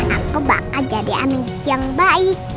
aku bakal jadi anak yang baik